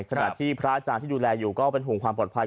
ขณะที่พระอาจารย์ที่ดูแลอยู่ก็เป็นห่วงความปลอดภัย